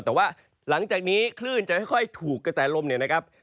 แต่ว่าหลังจากนี้คลื่นจะค่อยถูกกระแสลมเนี่ยนะครับ